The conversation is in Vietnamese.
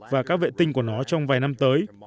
và các vệ tinh của nó trong vài năm tới